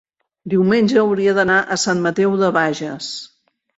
diumenge hauria d'anar a Sant Mateu de Bages.